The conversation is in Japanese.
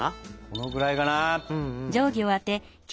このくらいかな？